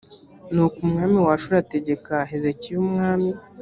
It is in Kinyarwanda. nuko umwami wa ashuri ategeka hezekiya umwami